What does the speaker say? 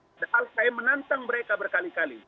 padahal saya menantang mereka berkali kali